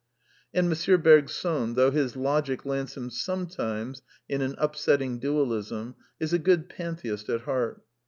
And M. Bergson, though his logic lands him sometimes in an upsetting Dualism, is a good pantheist at heart.